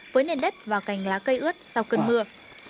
với nền đất và cành lá cây ướt sau cơn mưa